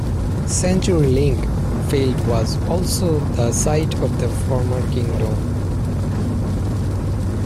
CenturyLink Field was also the site of the former Kingdome.